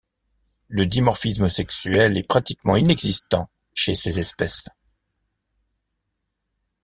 Le dimorphisme sexuel est pratiquement inexistant chez ces espèces.